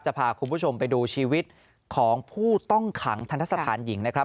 พาคุณผู้ชมไปดูชีวิตของผู้ต้องขังทันทะสถานหญิงนะครับ